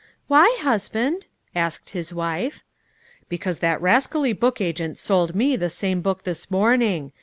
"Why, husband?" asked his wife. "Because that rascally book agent sold me the same book this morning.